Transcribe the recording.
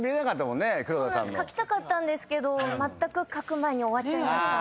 書きたかったんですけど書く前に終わっちゃいました。